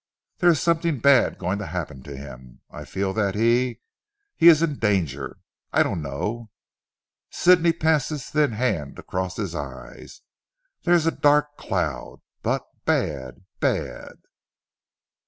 "There is something bad going to happen to him. I feel that he he is in danger. I don't know," Sidney passed his thin hand across his eyes, "there is a dark cloud, but bad, bad."